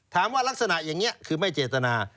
ถามว่ารักษณะอย่างนี้คือไม่เจตนา